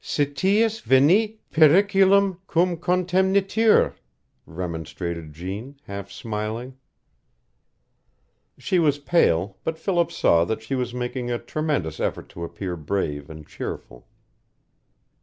"Citius venit periculum cum contemnitur," remonstrated Jeanne, half smiling. She was pale, but Philip saw that she was making a tremendous effort to appear brave and cheerful.